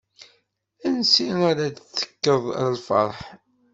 Ansi ara as-d-tekkeḍ a lferḥ.